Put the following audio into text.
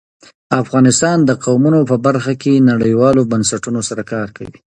افغانستان د قومونه په برخه کې نړیوالو بنسټونو سره کار کوي.